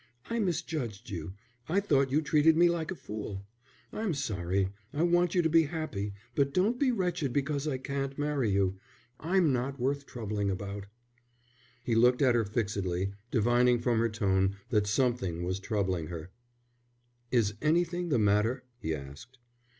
"I misjudged you, I thought you treated me like a fool. I'm sorry, I want you to be happy. But don't be wretched because I can't marry you; I'm not worth troubling about." He looked at her fixedly, divining from her tone that something was troubling her. "Is anything the matter?" he asked.